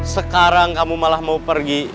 sekarang kamu malah mau pergi